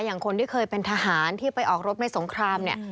อย่างที่เคยเป็นทหารที่ไปออกรบในสงครามเนี่ย